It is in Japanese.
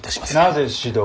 なぜ指導を？